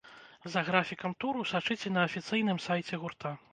За графікам туру сачыце на афіцыйным сайце гурта.